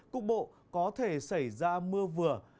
cung bộ có thể xảy ra mưa vừa